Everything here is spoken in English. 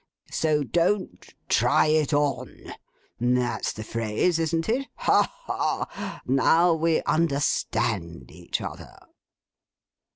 So don't try it on. That's the phrase, isn't it? Ha, ha! now we understand each other.